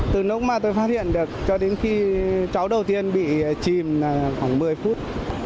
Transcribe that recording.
từ lúc mà tôi phát hiện được cho đến khi cháu đầu tiên bị chìm khoảng một mươi phút